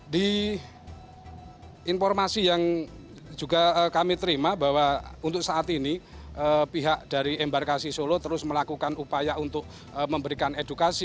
di informasi yang juga kami terima bahwa untuk saat ini pihak dari embarkasi solo terus melakukan upaya untuk memberikan edukasi